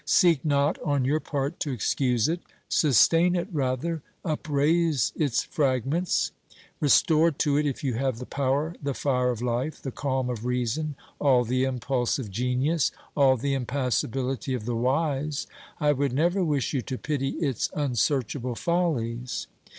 Seek not, on your part, to excuse it ; sustain it rather, upraise its fragments ; restore to it, if you have the power, the fire of life, the calm of reason, all the impulse of genius, all the impassibility of the wise. I would never wish you to pity its unsearchable follies.